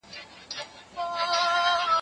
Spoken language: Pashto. زه به سبا د سوالونو جواب ورکړم!؟